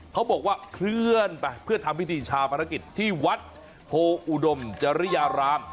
เขาบอกว่าเคลื่อนไปเพื่อทำพิธีชาปนกิจที่วัดโพอุดมจริยาราม